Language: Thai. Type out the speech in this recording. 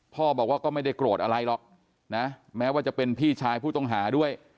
พ่อบอกว่าก็ไม่ได้โกรธอะไรหรอกนะแม้ว่าจะเป็นพี่ชายผู้ต้องหาด้วย